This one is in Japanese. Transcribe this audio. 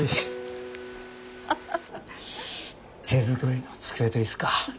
手作りの机と椅子か。